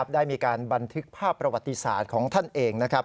ได้มีการบันทึกภาพประวัติศาสตร์ของท่านเอง